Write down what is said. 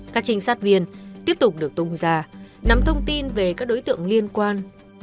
các trinh sát viên tiếp tục được tung ra nắm thông tin về các đối tượng liên quan